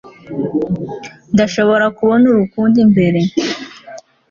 ndashobora kubona urukundo imbere